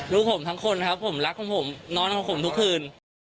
ลูกผมทั้งคนครับผมรักของผมนอนของผมทุกคืน